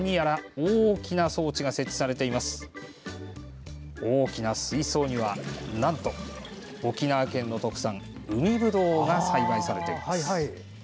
大きな水槽になんと沖縄県の特産海ぶどうが栽培されています。